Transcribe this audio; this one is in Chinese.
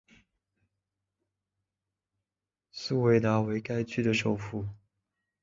苏韦达为该区的首府。